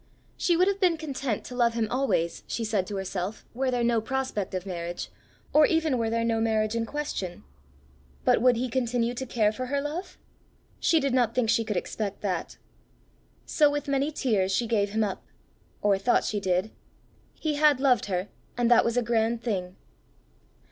She would have been content to love him always, she said to herself, were there no prospect of marriage, or even were there no marriage in question; but would he continue to care for her love? She did not think she could expect that. So with many tears she gave him up or thought she did. He had loved her, and that was a grand thing!